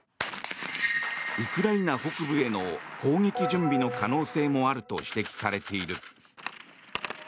ウクライナ北部への攻撃準備の可能性もあると指摘されている。